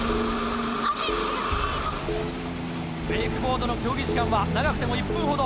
ウェイクボードの競技時間は長くても１分ほど。